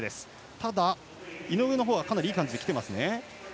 ただ、井上のほうはかなりいい感じできてますね。